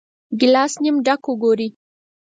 ګیلاس نیم ډک وګورئ.